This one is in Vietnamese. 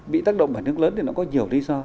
bị tác động ở nước lớn thì nó có nhiều lý do